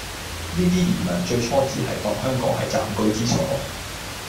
呢啲移民最初只係當香港係暫居之所